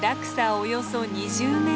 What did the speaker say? およそ２０ｍ。